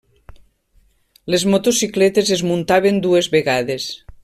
Les motocicletes es muntaven dues vegades.